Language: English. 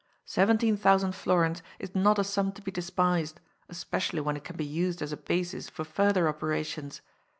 Seventeen thousand florins is not a sum to be despised, especially when it can be used as a basis for further operations.